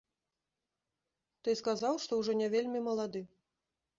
Ты сказаў, што ўжо не вельмі малады.